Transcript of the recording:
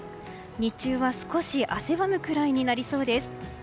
日中は少し汗ばむくらいになりそうです。